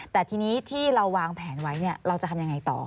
แต่ทีนี้ที่เราวางแผนไว้เราจะทำยังไงต่อ